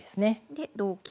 で同金。